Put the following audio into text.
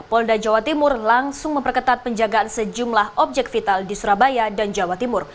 polda jawa timur langsung memperketat penjagaan sejumlah objek vital di surabaya dan jawa timur